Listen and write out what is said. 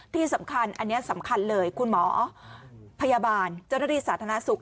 ที่สำคัญอันนี้สำคัญเลยคุณหมอพยาบาลเจ้าหน้าที่สาธารณสุข